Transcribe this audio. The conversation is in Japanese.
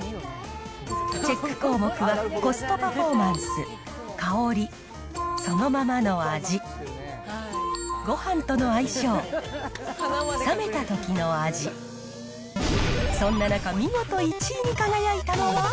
チェック項目は、コストパフォーマンス、香り、そのままの味、ごはんとの相性、冷めたときの味、そんな中、見事１位に輝いたのは。